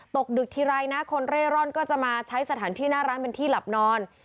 ตกดึกทีไรนะคนเร่ร่อนก็จะมาใช้สถานที่หน้าร้านเป็นที่หลับนอน